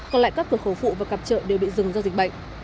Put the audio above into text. còn lại các cửa khẩu phụ và cạp trợ đều bị dừng giao dịch bệnh